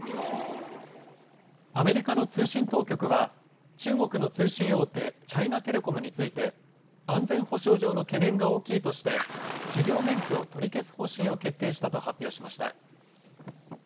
アメリカの通信当局は中国の通信大手、チャイナテレコムについて安全保障上の懸念が大きいとして事業免許を取り消す方針を決定したと発表しました。